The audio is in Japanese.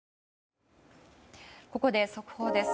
ここで速報です。